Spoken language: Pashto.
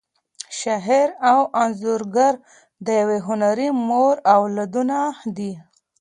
شاعر او انځورګر د یوې هنري مور اولادونه دي.